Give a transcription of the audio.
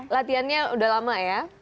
latihannya udah lama ya